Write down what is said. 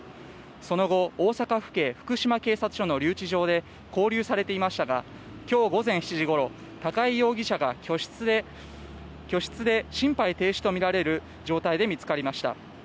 その後大阪府警福島警察署の留置場で勾留されていましたが今日午前７時ごろ高井容疑者が居室で心肺停止とみられる状態で見つかりました。